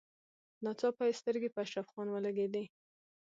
ناڅاپه يې سترګې په اشرف خان ولګېدې.